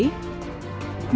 những hình ảnh